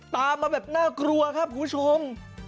ตามมาแบบน่ากลัวครับคุณผู้ชม